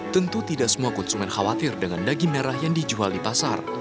tentu tidak semua konsumen khawatir dengan daging merah yang dijual di pasar